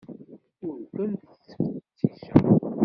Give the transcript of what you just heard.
Ur kent-ttfetticeɣ.